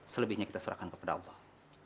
selebihnya kita serahkan kepada allah